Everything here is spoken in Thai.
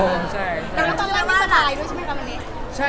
ตอนที่นี้ไม่สบายด้วยใช่มั้ย